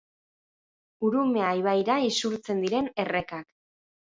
Urumea ibaira isurtzen diren errekak.